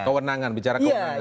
kewenangan bicara kewenangan